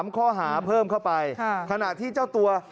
ข้อหาเพิ่มเข้าไปขณะที่เจ้าตัว